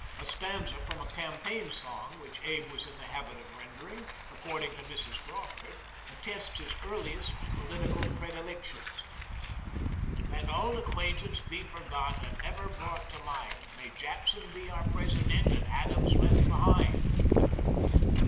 A stanza from a campaign song which Abe was in the habit of ren dering, according to Mrs. Crawford, attests hi^ ear liest political predilections :" Let auld acquaintance be forgot And never brought to mind, May Jackson be our president. And Adams left behind."